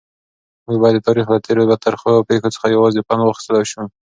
موږ باید د تاریخ له تېرو ترخو پیښو څخه یوازې پند واخیستلای شو.